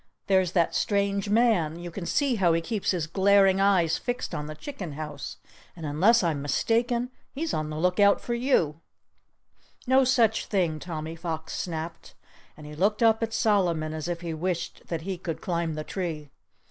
"There's that strange man! You can see how he keeps his glaring eyes fixed on the chicken house. And unless I'm mistaken, he's on the lookout for you." "No such thing!" Tommy Fox snapped. And he looked up at Solomon as if he wished that he could climb the tree.